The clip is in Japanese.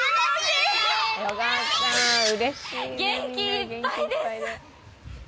元気いっぱいです。